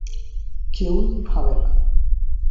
কেউই ভাবে না।